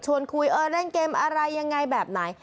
ชวนคุยเล่นเกมอะไรอย่างไรแบบไหน